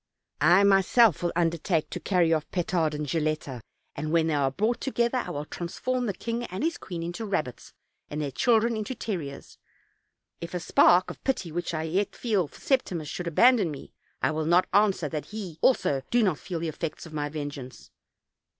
Myself will under take to carry off Petard and Gilletta, and when they are brought together I will transform the king and his queen OLD, OLD FAIRT TALES. 269 into rabbits, and their children into terriers. If a spark of pity which I yet feel for Septimus should abandon me, I will not answer that he also do not feel the effects of my vengeance.